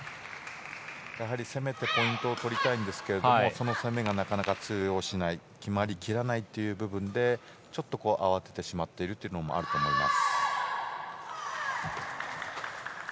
攻めてポイントを取りたいですがその攻めが、なかなか通用しない決まり切らないという部分でちょっと慌ててしまっているところもあると思います。